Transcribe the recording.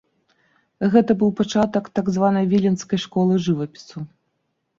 Гэта быў пачатак так званай віленскай школы жывапісу.